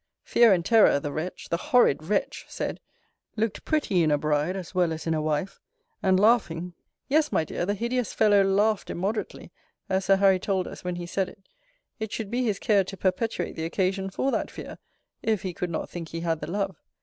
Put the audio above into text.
Fear and terror, the wretch, the horrid wretch! said, looked pretty in a bride as well as in a wife: and, laughing, [yes, my dear, the hideous fellow laughed immoderately, as Sir Harry told us, when he said it,] it should be his care to perpetuate the occasion for that fear, if he could not think he had the love.